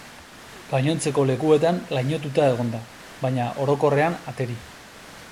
Gainontzeko lekuetan lainotuta egongo da, baina orokorrean ateri.